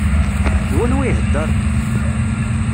D wanwa ihedder?